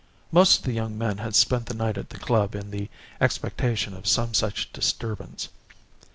Most of the young men had spent the night at the club in the expectation of some such disturbance.